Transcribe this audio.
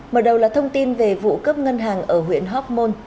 mở đầu là thông tin về vụ cấp ngân hàng ở huyện hockmont